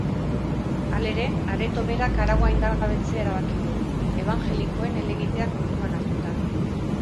Halere, areto berak araua indargabetzea erabaki du, ebanjelikoen helegitea kontuan hartuta.